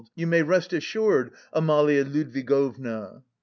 You may rest assured, Amalia Ludwigovna..."